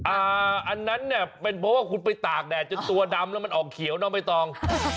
อันนั้นเนี่ยเป็นเพราะว่าคุณไปตากแดดจนตัวดำแล้วมันออกเขียวน้องใบตอง